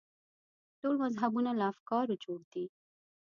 ټول مذهبونه له افکارو جوړ دي.